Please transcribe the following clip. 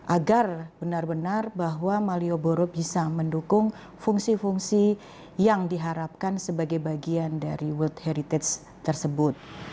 agar benar benar bahwa malioboro bisa mendukung fungsi fungsi yang diharapkan sebagai bagian dari world heritage tersebut